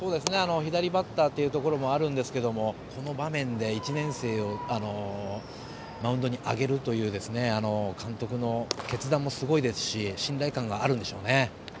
左バッターというところもあるんですけれどもこの場面で１年生をマウンドに上げるという監督の決断もすごいですし信頼感があるんでしょうね。